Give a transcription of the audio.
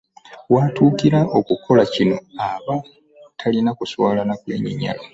W'atuukira okukola kino aba talina kuswala na kwenyinyala